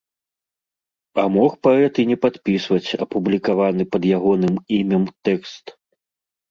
А мог паэт і не падпісваць апублікаваны пад ягоным імем тэкст.